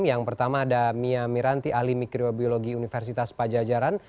yang pertama ada mia miranti ahli mikrobiologi universitas pajajaran